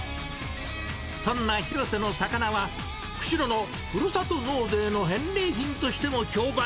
そんなヒロセの魚は、釧路のふるさと納税の返礼品としても評判。